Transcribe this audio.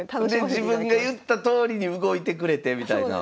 で自分が言ったとおりに動いてくれてみたいな。